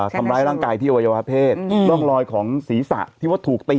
ทำร้ายร่างกายที่อวัยวะเพศร่องรอยของศีรษะที่ว่าถูกตี